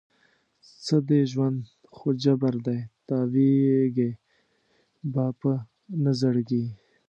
څه دی ژوند؟ خو جبر دی، تاویږې به په نه زړګي